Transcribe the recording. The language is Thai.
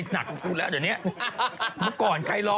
ก็ไปหนักกันกูแล้วดีแหละ